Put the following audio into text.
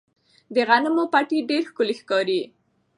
د غنمو پټي ډېر ښکلي ښکاري.